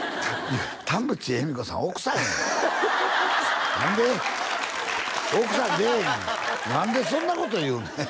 田口惠美子さんは奥さんやん何で奥さん出えへん何でそんなこと言うねん？